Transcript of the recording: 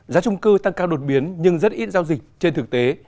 giá trung cư tăng cao đột biến nhưng rất ít giao dịch trên thực tế